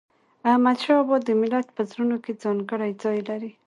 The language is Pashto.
احمدشاه بابا د ملت په زړونو کې ځانګړی ځای لري.